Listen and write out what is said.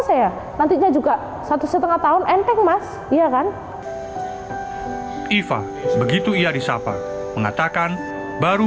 saya nantinya juga satu setengah tahun enteng mas iya kan iva begitu ia disapa mengatakan baru